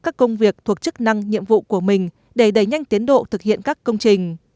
các công việc thuộc chức năng nhiệm vụ của mình để đẩy nhanh tiến độ thực hiện các công trình